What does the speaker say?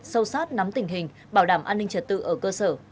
sâu sát nắm tình hình bảo đảm an ninh trật tự ở cơ sở